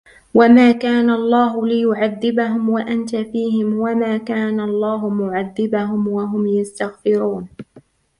وَمَا كَانَ اللَّهُ لِيُعَذِّبَهُمْ وَأَنْتَ فِيهِمْ وَمَا كَانَ اللَّهُ مُعَذِّبَهُمْ وَهُمْ يَسْتَغْفِرُونَ